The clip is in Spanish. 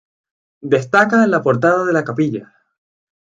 Destaca la portada de la capilla.